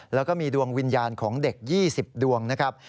แล้วก็มีดวงวิญญาณของเด็ก๒๐ดวงนะครับ